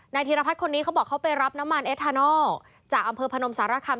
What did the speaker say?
ธีรพัฒน์คนนี้เขาบอกเขาไปรับน้ำมันเอทานอลจากอำเภอพนมสารคำ